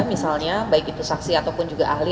misalnya baik itu saksi atau ahli